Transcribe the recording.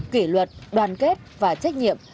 kỷ luật đoàn kết và trách nhiệm